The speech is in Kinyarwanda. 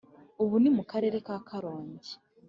ubu ni mu karere karongi